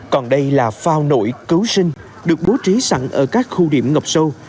còn đây là phao nội cứu sinh được bố trí sẵn ở các khu điểm ngọc sâu